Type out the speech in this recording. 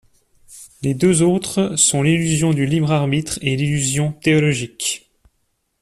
Les deux autres sont l'illusion du libre arbitre et l'illusion théologique.